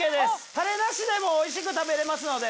タレなしでもおいしく食べれますので。